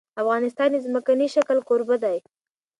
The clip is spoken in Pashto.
افغانستان د ځمکنی شکل کوربه دی.